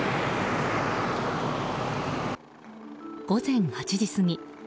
午前８時過ぎ。